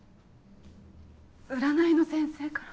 占いの先生から。